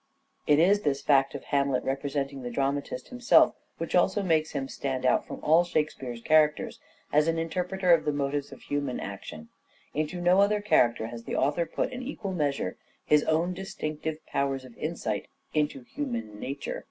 Hamlet is It is this fact of Hamlet representing the dramatist himself which also makes him stand out from all Shakespeare's characters as an interpreter of the motives of human actions. Into no other character has the author put an equal measure his own distinctive powers of insight into human nature.